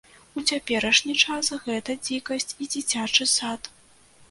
У цяперашні час гэта дзікасць і дзіцячы сад.